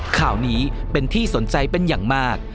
ข่าวนี้เป็นที่สนใจเป็นอย่างมาก